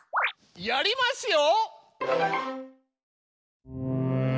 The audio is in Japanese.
やりますよ！